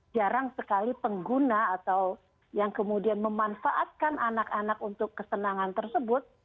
jarang sekali pengguna atau yang kemudian memanfaatkan anak anak untuk kesenangan tersebut